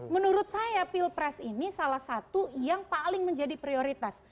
menurut saya pilpres ini salah satu yang paling menjadi prioritas